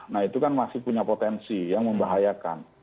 nah itu kan masih punya potensi yang membahayakan